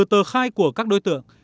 từ tờ khai của các đối tượng